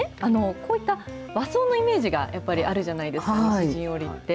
こういった和装のイメージがやっぱりあるじゃないですか、西陣織って。